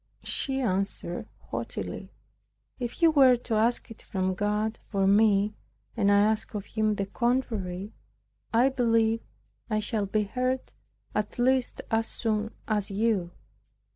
She answered haughtily, "If you were to ask it from God for me, and I ask of Him the contrary, I believe I shall be heard at least as soon as you."